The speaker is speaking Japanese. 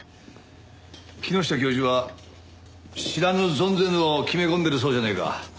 木下教授は知らぬ存ぜぬを決め込んでいるそうじゃないか。